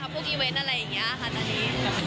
พวกอีเวนต์อะไรอย่างนี้ค่ะตอนนี้